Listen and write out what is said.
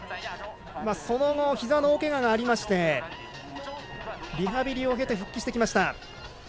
その後、ひざの大けががありましてリハビリを経て復帰してきました。